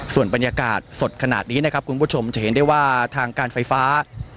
ส่วนบรรยากาศสดขนาดนี้นะครับคุณผู้ชมจะเห็นได้ว่าทางการไฟฟ้า